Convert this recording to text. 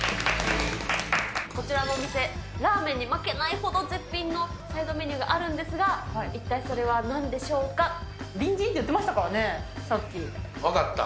こちらのお店、ラーメンに負けないほど絶品のサイドメニューがあるんですが、隣人って言ってましたからね、分かった。